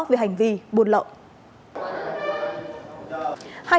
về hành vi bôn lậu